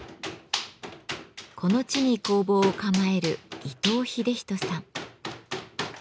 この地に工房を構える伊藤秀人さん。